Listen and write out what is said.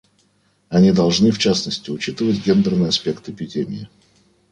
Они должны, в частности, учитывать гендерный аспект эпидемии.